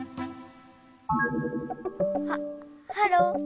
ハハロー？